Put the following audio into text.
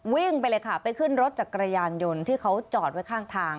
วิ่งไปเลยค่ะไปขึ้นรถจักรยานยนต์ที่เขาจอดไว้ข้างทาง